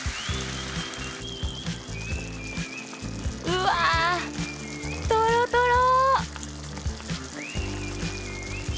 うわとろとろ！